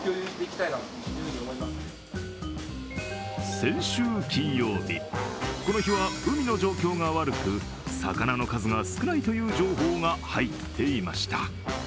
先週金曜日、この日は海の状況が悪く魚の数が少ないという情報が入っていました。